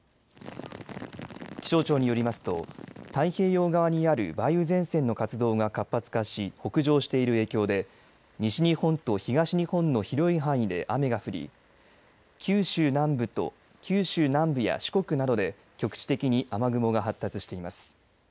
気象庁によりますと太平洋側にある梅雨前線の活動が活発化し北上している影響で西日本と東日本の広い範囲で雨が降り九州南部と四国などで局地的に雨雲が発達しています。